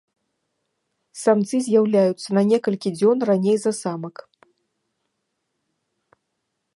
Самцы з'яўляюцца на некалькі дзён раней за самак.